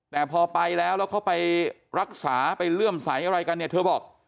แต่พอไปแล้วแล้วเขาไปรักษาไปเลื่อมใสอะไรกันเนี่ยเธอบอก